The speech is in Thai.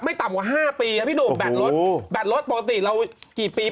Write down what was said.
ไม่ต่ำกว่าห้าปีน่ะพี่ดูแบตรถโอ้โหแบตรถปกติเรากี่ปีเปลี่ยน